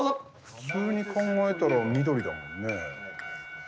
普通に考えたら緑だもんね。